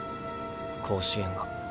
甲子園が。